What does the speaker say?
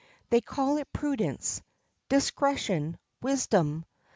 They call it prudence, discretion, wisdom.